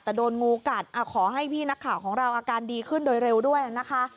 แต่โดนงูกัดขอให้พี่นักข่าวของเราอาการดีขึ้นโดยเร็วด้วยนะคะ